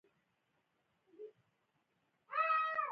د څارویو روغتیا ساتنه د لبنیاتو ښه والی تضمینوي.